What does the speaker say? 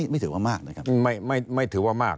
๑๓๐๐๐๐ไม่ถือว่ามากนะครับใช่ไหมไม่ถือว่ามาก